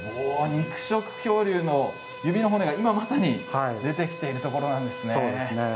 肉食恐竜の指の骨が今まさに出てきてところなんですね。